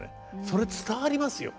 それ伝わりますよ。